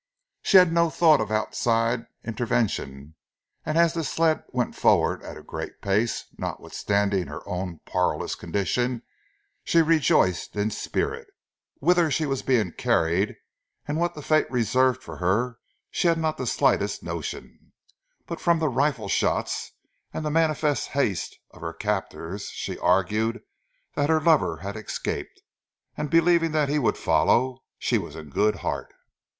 She had no thought of outside intervention and as the sled went forward at a great pace, notwithstanding her own parlous condition, she rejoiced in spirit. Whither she was being carried, and what the fate reserved for her she had not the slightest notion; but from the rifle shots, and the manifest haste of her captors, she argued that her lover had escaped, and believing that he would follow, she was in good heart.